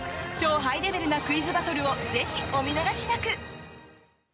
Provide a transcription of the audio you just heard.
超ハイレベルなクイズバトルをぜひお見逃しなく！